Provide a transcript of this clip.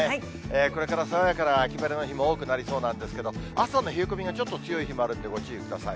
これから爽やかな秋晴れの日も多くなりそうなんですけど、朝の冷え込みがちょっと強い日もあるんで、ご注意ください。